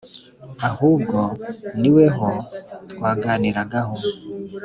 ahubwo niweho twaganiragaho.